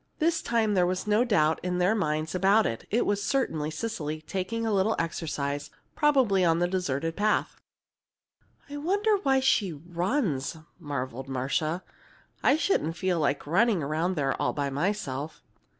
This time there was no doubt in their minds about it. It was certainly Cecily, taking a little exercise, probably on the deserted path. "I wonder why she runs," marveled Marcia. "I shouldn't feel like running around there all by myself."